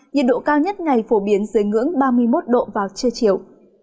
nhiệt độ cao nhất ngày phổ biến dưới ngưỡng ba mươi một độ vào trưa chiều